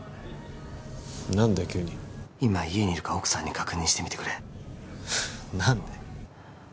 何だよ急に今家にいるか奥さんに確認してみてくれ何で？